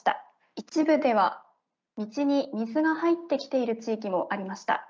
一部では、道に水が入ってきている地域もありました。